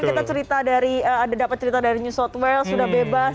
kita cerita dari ada dapat cerita dari new south wale sudah bebas